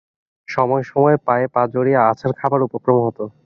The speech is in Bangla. সময় সময় পায়ে পা জড়িয়ে আছাড় খাবার উপক্রম হত।